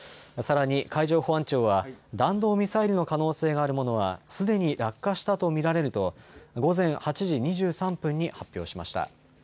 さらに海上保安庁は弾道ミサイルの可能性があるものはすでに落下したと見られると午前８時２３分に発表しました。